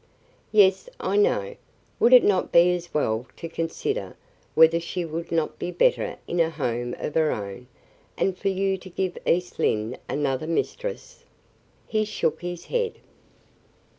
"Yes, I know. Would it not be as well to consider whether she would not be better in a home of her own and for you to give East Lynne another mistress?" He shook his head.